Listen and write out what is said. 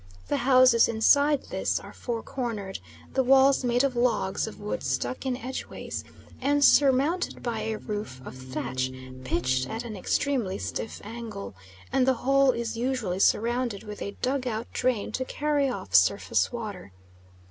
The houses inside this are four cornered, the walls made of logs of wood stuck in edgeways, and surmounted by a roof of thatch pitched at an extremely stiff angle, and the whole is usually surrounded with a dug out drain to carry off surface water.